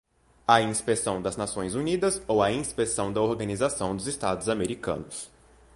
a inspeção das Nações Unidas ou a inspeção da Organização dos Estados Americanos